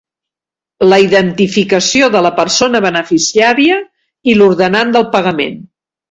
La identificació de la persona beneficiària i l'ordenant del pagament.